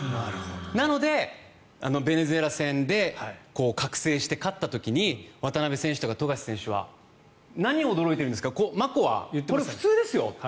なので、ベネズエラ戦で覚醒して勝った時に渡邊選手とか富樫選手は何を驚いているんですかマコは普通ですよって。